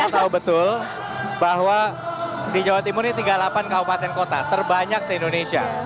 kita tahu betul bahwa di jawa timur ini tiga puluh delapan kabupaten kota terbanyak se indonesia